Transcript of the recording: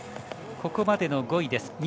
ここまでの５位です。